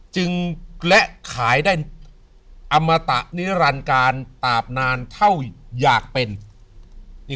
และขายได้อมตะนิรันดิการตาบนานเท่าอยากเป็น